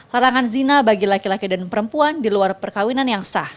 larangan zina bagi laki laki dan perempuan di luar perkawinan yang sah